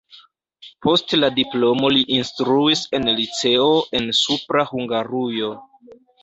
Post la diplomo li instruis en liceo en Supra Hungarujo.